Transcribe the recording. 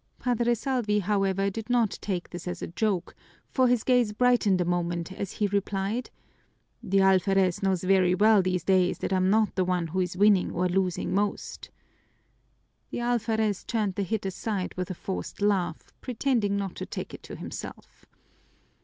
Padre Salvi, however, did not take this as a joke, for his gaze brightened a moment as he replied, "The alferez knows very well these days that I'm not the one who is winning or losing most." The alferez turned the hit aside with a forced laugh, pretending not to take it to himself.